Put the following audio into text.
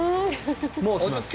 もう来ます。